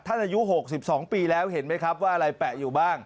อายุ๖๒ปีแล้วเห็นไหมครับว่าอะไรแปะอยู่บ้าง